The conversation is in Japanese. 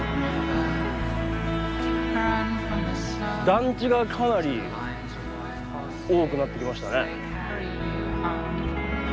団地がかなり多くなってきましたね。